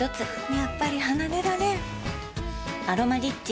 やっぱり離れられん「アロマリッチ」